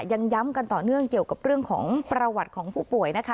ยังย้ำกันต่อเนื่องเกี่ยวกับเรื่องของประวัติของผู้ป่วยนะคะ